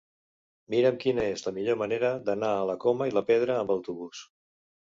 Mira'm quina és la millor manera d'anar a la Coma i la Pedra amb autobús.